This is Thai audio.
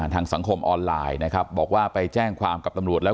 สังคมออนไลน์นะครับบอกว่าไปแจ้งความกับตำรวจแล้ว